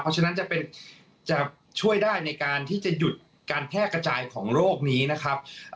เพราะฉะนั้นจะช่วยได้ในการที่จะหยุดการแพร่กระจายของโรคนี้นะครับ